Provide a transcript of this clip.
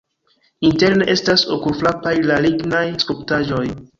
Interne estas okulfrapaj la lignaj skulptaĵoj.